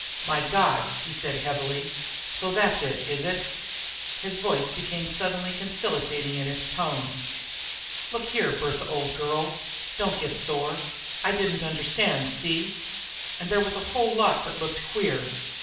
"My God!" he said heavily. "So that's it, is it?" His voice became suddenly conciliating in its tones. "Look here, Bertha, old girl, don't get sore. I didn't understand, see? And there was a whole lot that looked queer.